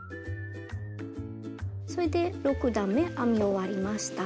それで６段め編み終わりました。